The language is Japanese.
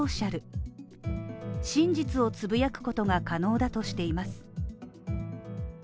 真実をつぶやくことが可能だとしています